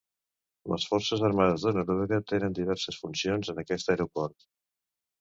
Les Forces Armades de Noruega tenen diverses funcions en aquest aeroport.